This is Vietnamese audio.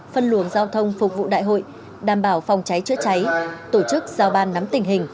phân luồng giao thông phục vụ đại hội đảm bảo phòng cháy chữa cháy tổ chức giao ban nắm tình hình